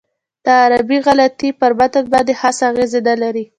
دا عربي غلطۍ پر متن باندې خاصه اغېزه نه لري.